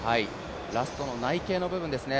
ラストの内傾の部分ですね